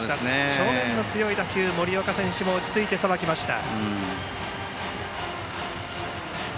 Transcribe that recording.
正面の強い打球を森岡選手も落ち着いてさばきました。